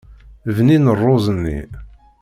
Bnin rruẓ-nni.